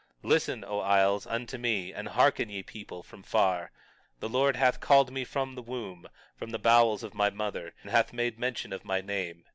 Listen, O isles, unto me, and hearken ye people from far; the Lord hath called me from the womb; from the bowels of my mother hath he made mention of my name.